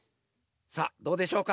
さあどうでしょうか？